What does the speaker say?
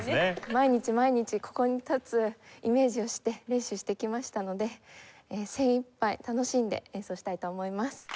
毎日毎日ここに立つイメージをして練習してきましたので精いっぱい楽しんで演奏したいと思います。